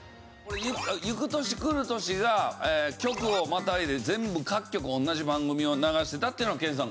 『ゆく年くる年』が局をまたいで全部各局同じ番組を流してたっていうのは研さん。